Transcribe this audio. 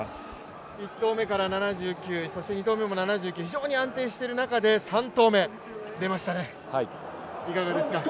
１投目から７９、そして２投目も７９、非常に安定している中で３投目、出ましたね。